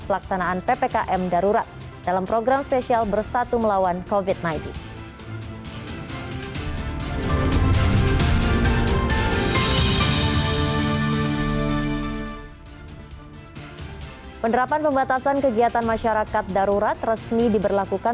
pemerintah pemerintah yang berada di dalam pemerintah pemerintah